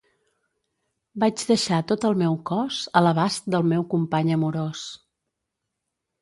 Vaig deixar tot el meu cos a l'abast del meu company amorós.